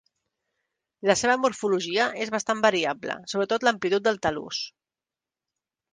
La seva morfologia és bastant variable, sobretot l'amplitud del tal·lus.